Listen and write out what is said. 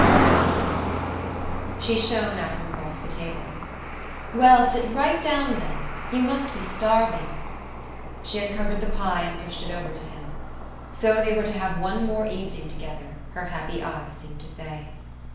"No." She shone at him across the table. "Well, sit right down then. You must be starving." She uncovered the pie and pushed it over to him. So they were to have one more evening together, her happy eyes seemed to say!